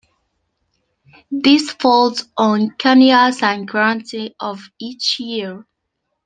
This falls on Kanya Sankranti of each year.